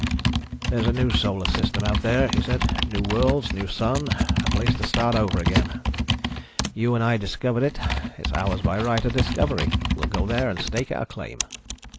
"There's a new solar system out there," he said. "New worlds, a new sun. A place to start over again. You and I discovered it. It's ours by right of discovery. We'll go there and stake out our claim."